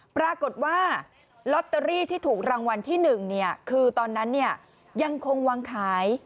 ปรากฏว่าลอตเตอรี่ที่ถูกรางวัลที่๑คือตอนนั้นยังคงวางขาย